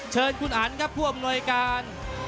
เชิญคุณอันครับผู้อำนวยการ